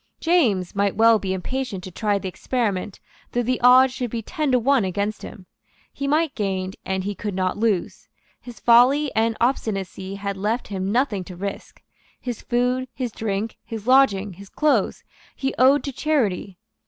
James might well be impatient to try the experiment, though the odds should be ten to one against him. He might gain; and he could not lose. His folly and obstinacy had left him nothing to risk. His food, his drink, his lodging, his clothes, he owed to charity.